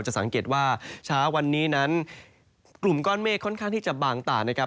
จะสังเกตว่าเช้าวันนี้นั้นกลุ่มก้อนเมฆค่อนข้างที่จะบางตานะครับ